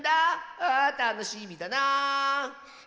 あたのしみだなあ。